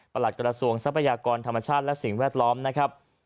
หลักกระทรวงทรัพยากรธรรมชาติและสิ่งแวดล้อมนะครับ